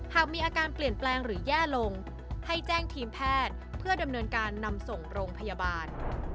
หากมีอาการเปลี่ยนแปลงหรือแย่ลงให้แจ้งทีมแพทย์เพื่อดำเนินการนำส่งโรงพยาบาล